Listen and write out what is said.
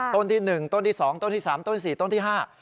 ต้นที่หนึ่งต้นที่สองต้นที่สามต้นสี่ต้นที่ห้า